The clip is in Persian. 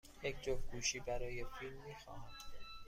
یک جفت گوشی برای فیلم می خواهم.